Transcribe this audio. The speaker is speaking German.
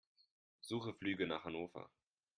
Suche Flüge nach Hannover.